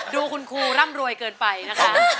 ดูคุณครูร่ำรวยเกินไปนะคะ